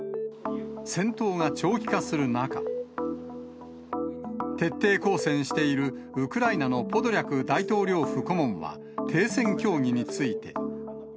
戦闘が長期化する中、徹底抗戦しているウクライナのポドリャク大統領府顧問は停戦協議